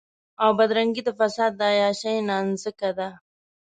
او بدرنګي د فساد د عياشۍ نانځکه ده.